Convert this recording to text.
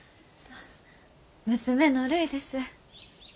娘のるいです。